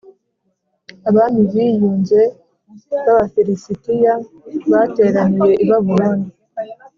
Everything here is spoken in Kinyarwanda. Abami biyunze b Abafilisitiya bateraniye ibabuloni